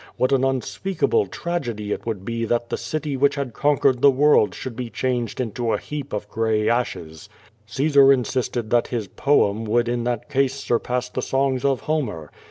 What an unspeakable tragedy it would Ije that the city which had conquered the world should be changed into a heap of gray ashes. Caesar insisted that his poem would in that case surpass the songs of Homer.